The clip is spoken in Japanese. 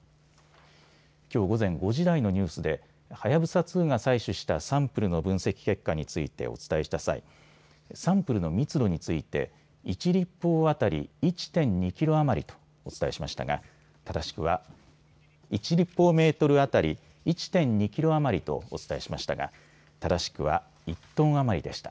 きょう午前５時台のニュースではやぶさ２が採取したサンプルの分析結果についてお伝えした際、サンプルの密度について１立方当たり１．２キロ余りとお伝えしましたが正しくは１立方メートル当たり１．２キロ余りとお伝えしましたが正しくは１トン余りでした。